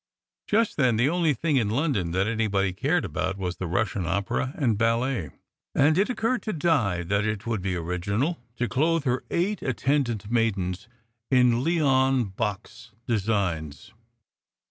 Just then the only thing in London that anybody cared about was the Russian opera and ballet, and it occurred to Di that it would be original to clothe her eight attendant maidens in Leon Bakst designs.